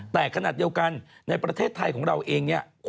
แต่ขนาดเดียวกันในประเทศไทยของเราเอง